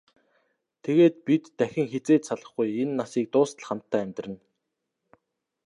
Тэгээд бид дахин хэзээ ч салахгүй, энэ насыг дуустал хамтдаа амьдарна.